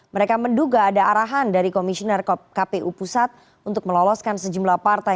mereka menduga ada arahan dari komisioner kpu pusat untuk meloloskan sejumlah partai